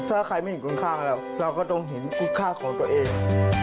ถ้าใครไม่เห็นข้างแล้วเราก็ต้องเห็นคุกค่าของตัวเอง